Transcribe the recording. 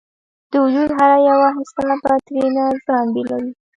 د وجود هره یوه حصه به ترېنه ځان بیلوي